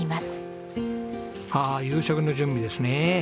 あ夕食の準備ですね。